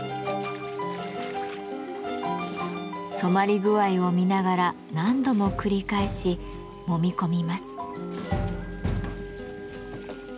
染まり具合を見ながら何度も繰り返しもみ込みます。